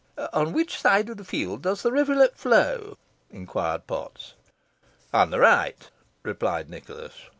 "On which side of the field does the rivulet flow?" inquired Potts. "On the right," replied Nicholas.